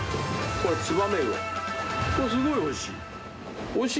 これすごいおいしい。